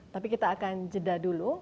tapi kita akan jeda dulu